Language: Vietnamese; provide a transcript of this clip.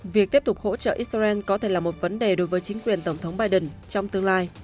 việc tiếp tục hỗ trợ israel có thể là một vấn đề đối với chính quyền tổng thống biden trong tương lai